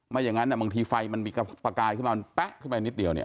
อย่างนั้นบางทีไฟมันมีประกายขึ้นมามันแป๊ะขึ้นไปนิดเดียวเนี่ย